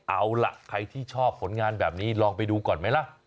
เอาล่ะใครที่ชอบผลงานแบบนี้ลองไปดูก่อนไหมล่ะ